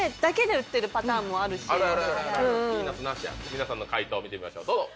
皆さんの解答を見てみましょうどうぞ。